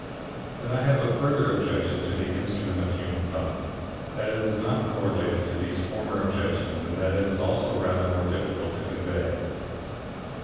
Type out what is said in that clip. But I have a further objection to the Instrument of Human Thought, that is not correlated to these former objections and that is also rather more difficult to convey.